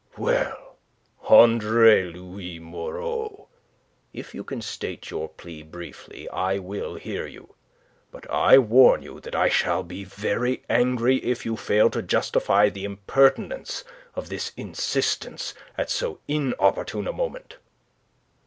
"Well, Andre Louis Moreau, if you can state your plea briefly, I will hear you. But I warn you that I shall be very angry if you fail to justify the impertinence of this insistence at so inopportune a moment."